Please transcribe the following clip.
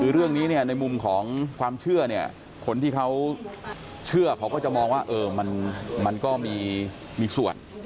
คือเรื่องนี้เนี่ยในมุมของความเชื่อเนี่ยคนที่เขาเชื่อเขาก็จะมองว่ามันก็มีส่วน